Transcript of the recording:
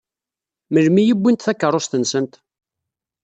Melmi i wwint takeṛṛust-nsent?